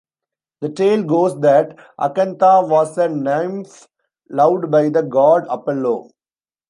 The tale goes that Acantha was a nymph loved by the god Apollo.